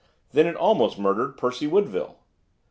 'Then it almost murdered Percy Woodville.